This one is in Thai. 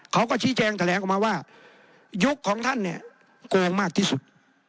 เขาก็ชี้แจงแถลงออกมาว่ายุคของท่านเนี่ยโกงมากที่สุด